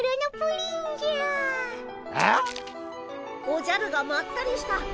おじゃるがまったりした。